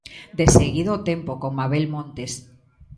De seguido o Tempo, con Mabel Montes.